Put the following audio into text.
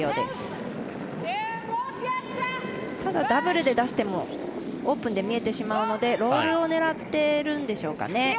ダブルで出してもオープンで見えてしまうのでロールを狙ってるんでしょうか。